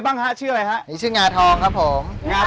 ชื่องนี้ชื่องนี้ชื่องนี้ชื่องนี้ชื่องนี้ชื่องนี้ชื่องนี้